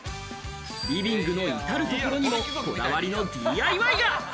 リビングの至るところにもこだわりのＤＩＹが。